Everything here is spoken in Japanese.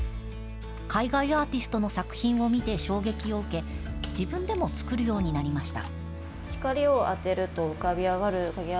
海外アーティストの作品を見て衝撃を受け、自分でも作るようになりました。